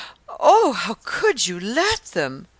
"Oh, how could you let them?"